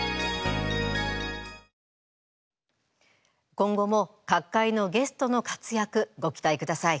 今後も各界のゲストの活躍ご期待ください。